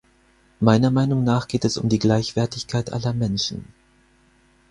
Meiner Meinung nach geht es um die Gleichwertigkeit aller Menschen.